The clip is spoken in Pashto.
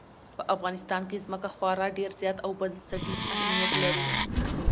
په افغانستان کې ځمکه خورا ډېر زیات او بنسټیز اهمیت لري.